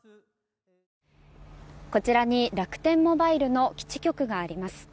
こちらに楽天モバイルの基地局があります。